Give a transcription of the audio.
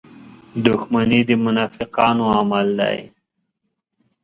• دښمني د منافقانو عمل دی.